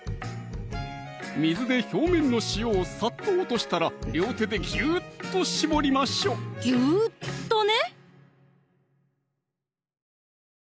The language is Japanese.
水で表面の塩をさっと落としたら両手でぎゅっと絞りましょうぎゅっとね